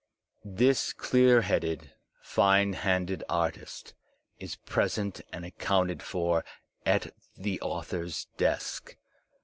This clear headed, fine handed artist is present and ac counted for at the author's desk.